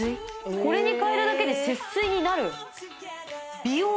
これに替えるだけで節水になる。